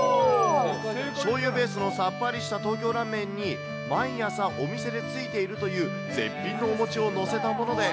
しょうゆベースのさっぱりした東京ラーメンに、毎朝、お店でついているという絶品のお餅を載せたものです。